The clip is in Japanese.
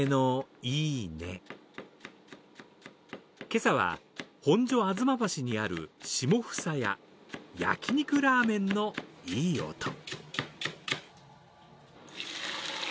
今朝は、本所吾妻橋にある下総屋、焼き肉ラーメンのいい音。